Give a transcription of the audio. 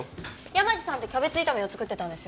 山路さんってキャベツ炒めを作ってたんですよね？